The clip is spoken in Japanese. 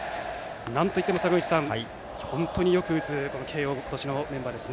なんといっても本当によく打つ慶応の今年のメンバーです。